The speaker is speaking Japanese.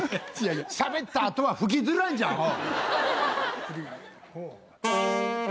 しゃべった後は吹きづらいんじゃアホ。